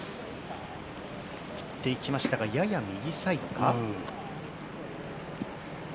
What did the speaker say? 振っていきましたが、やや右サイドか。